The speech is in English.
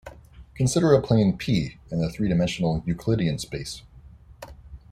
Consider a plane "P" in the three-dimensional Euclidean space.